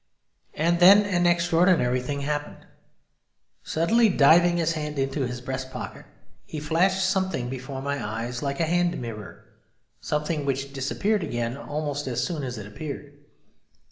And then an extraordinary thing happened. Suddenly diving his hand into his breast pocket, he flashed something before my eyes like a hand mirror; something which disappeared again almost as soon as it appeared.